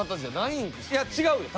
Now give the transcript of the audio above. いや違うよ。